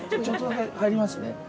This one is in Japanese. ちょっとだけ入りますね。